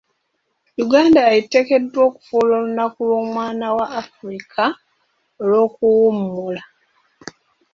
Uganda eteekeddwa okufuula olunaku lw'omwana wa Afrika olw'okuwummula.